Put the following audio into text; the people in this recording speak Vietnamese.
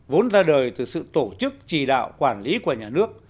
vốn ra đời từ sự tổ chức trì đạo quản lý của nhà nước